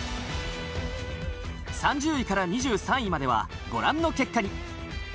３０位から２３位まではご覧の結果に。